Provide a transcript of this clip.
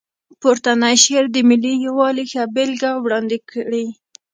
پورتنی شعر د ملي یووالي ښه بېلګه وړاندې کړې.